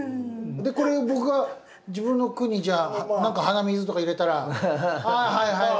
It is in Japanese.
これで僕が自分の句にじゃあ何か「鼻水」とか入れたら「ああはいはい。